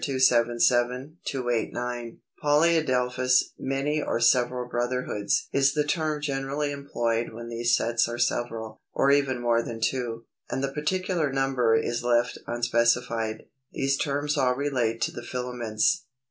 277, 289). Polyadelphous (many or several brotherhoods) is the term generally employed when these sets are several, or even more than two, and the particular number is left unspecified. These terms all relate to the filaments.